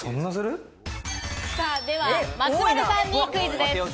では、松丸さんにクイズです。